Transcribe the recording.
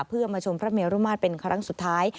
เพื่อมาชมพระเมรุมาตรเป็นครั้งสุดท้าย